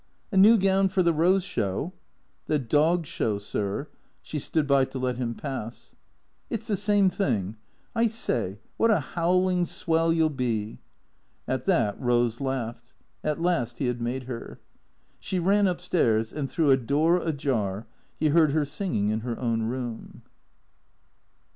" A new gown for the Eose Show ?"" The Dog Show, sir." She stood by to let him pass. " It 's the same thing. I say, what a howling swell you '11 be." At that Eose laughed (at last he had made her). She ran up stairs; and through a door ajar, he heard her singing in her own room.